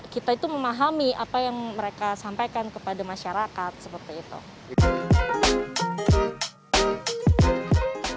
kita itu memahami apa yang mereka sampaikan kepada masyarakat seperti itu